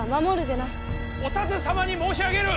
お田鶴様に申し上げる！